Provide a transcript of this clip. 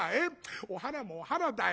お花もお花だよ。